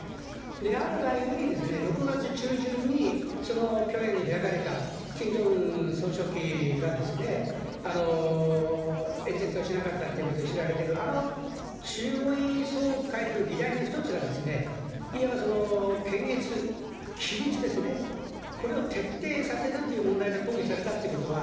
であるがゆえに、６月中旬にピョンヤンで開かれたキム・ジョンウン総書記が演説はしなかったということで知られてる、あの中央委員総会での議題の一つがいわば検閲、規律ですね、これを徹底させるという問題が討議されたということは、